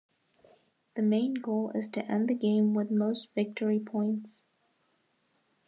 The main goal is to end the game with most Victory Points.